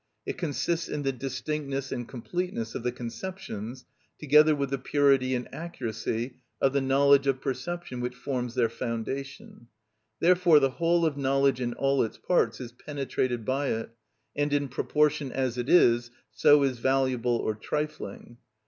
It consists in the distinctness and completeness of the conceptions, together with the purity and accuracy of the knowledge of perception which forms their foundation; therefore the whole of knowledge in all its parts is penetrated by it, and in proportion as it is so is valuable or trifling.